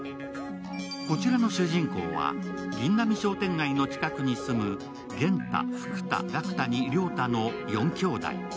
こちらの主人公は、ぎんなみ商店街の近くに住む元太、福太、学太に良太の四兄弟。